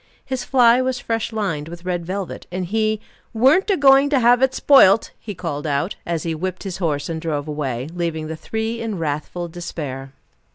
His fly was fresh lined with red velvet, and he "weren't a going to have it spoilt," he called out, as he whipped his horse and drove away, leaving the three in wrathful despair.